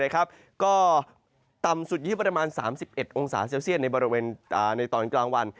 ก็ต่ำสุดอยู่ที่ประมาณ๓๑องศาเซลเซียตในตอนกลางวัน